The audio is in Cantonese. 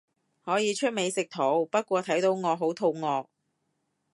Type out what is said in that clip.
可以出美食圖，不過睇到我好肚餓